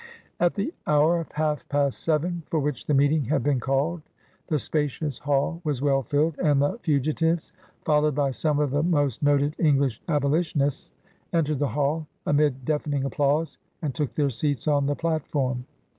At the hour of half past seven, for which the meeting had been called, the spacious hall was well filled, and the fugitives, followed by some of the most noted English Abolitionists, entered the hall, amid deafening applause, and took their seats on the platform.